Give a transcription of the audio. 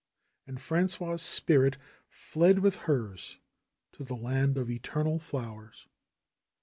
And Frangois' spirit fled with hers to the land of eter nal flowers.